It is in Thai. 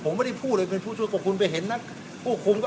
ผมไม่ได้พูดเลยเป็นผู้ช่วยควบคุมไปเห็นนักควบคุมก็